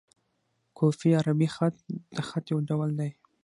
کوفي عربي خط؛ د خط یو ډول دﺉ.